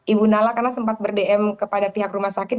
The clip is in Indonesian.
ibu nala karena sempat berdm kepada pihak rumah sakit